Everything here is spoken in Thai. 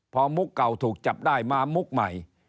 พอมุกเก่าถูกจับได้มามุกใหม่